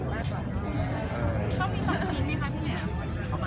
ถึงอะไรนะ